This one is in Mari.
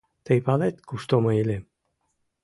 Тый палет, кушто мый илем?